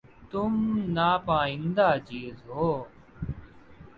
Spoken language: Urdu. تم ناپندیدہ چیز ہے